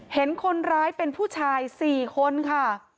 เห็นคนร้ายเป็นผู้ชาย๔คนค่ะ